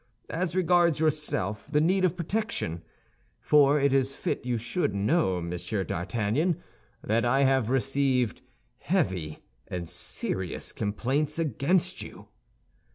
As regards yourself, the need of protection; for it is fit you should know, Monsieur d'Artagnan, that I have received heavy and serious complaints against you.